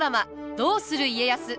「どうする家康」。